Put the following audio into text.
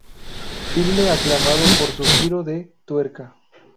Filme aclamado por su Giro de Tuerca.